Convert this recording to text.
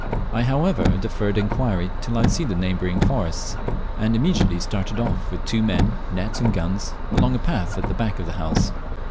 I however deferred inquiry till I had seen the neighbouring forest, and immediately started off with two men, net, and guns, along a path at the back of the house.